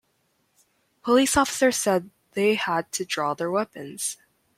Police officers said they had to draw their weapons.